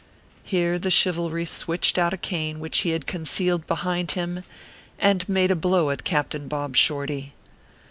Here the Chivalry switched out a cane which he had concealed behind him, and made a blow at Cap tain Bob Shorty.